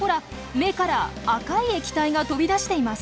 目から赤い液体が飛び出しています。